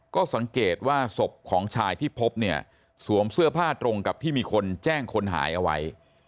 ก็สังเกตว่าศพของชายที่พบเนี่ยสวมเสื้อผ้าตรงกับที่มีคนแจ้งคนหายเอาไว้